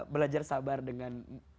belajar sabar dengan